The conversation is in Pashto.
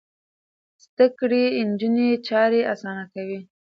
زده کړې نجونې چارې اسانه کوي.